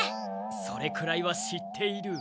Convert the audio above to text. それくらいは知っている。